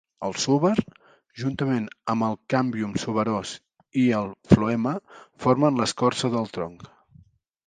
El súber, juntament amb el càmbium suberós i el floema formen l'escorça del tronc.